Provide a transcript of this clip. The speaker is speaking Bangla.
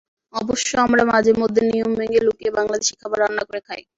অবশ্য আমরা মাঝে মধ্যে নিয়ম ভেঙে লুকিয়ে বাংলাদেশি খাবার রান্না করে খাই।